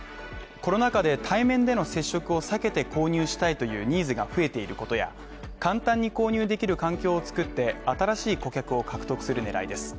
コロナ禍で対面での接触を避けて購入したいというニーズが増えていることや、簡単に購入できる環境を作って、新しい顧客を獲得する狙いです